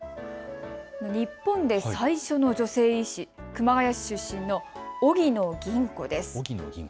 日本で最初の女性医師、熊谷市出身の荻野吟子です。